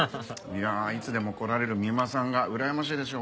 いやあいつでも来られる三馬さんがうらやましいですよ。